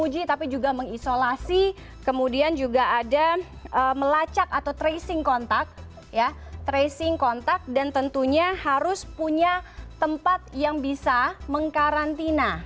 uji tapi juga mengisolasi kemudian juga ada melacak atau tracing kontak tracing kontak dan tentunya harus punya tempat yang bisa mengkarantina